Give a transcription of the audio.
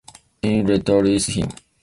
Amin later released him.